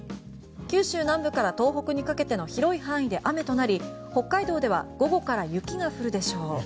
九州南部から東北にかけての広い範囲で雨となり、北海道では午後から雪が降るでしょう。